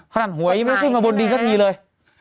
ขนาดหัวนี้ไม่ได้ขึ้นมาตรงดีกว่าทีเลย